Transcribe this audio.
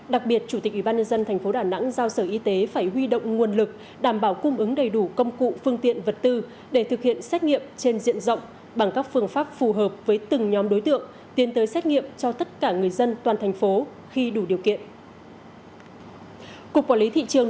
đặc biệt chủ tịch ubnd tp đà nẵng giao sở y tế phải huy động nguồn lực đảm bảo cung ứng đầy đủ công cụ phương tiện vật tư để thực hiện xét nghiệm trên diện rộng bằng các phương pháp phù hợp với từng nhóm đối tượng tiến tới xét nghiệm cho tất cả người dân toàn thành phố khi đủ điều kiện